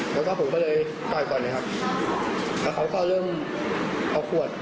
แล้วก็ผมก็เลยต่อยก่อนเลยครับแล้วเขาก็เริ่มเอาขวด